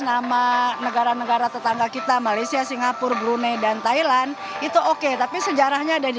nama negara negara tetangga kita malaysia singapura brunei dan thailand itu oke tapi sejarahnya ada di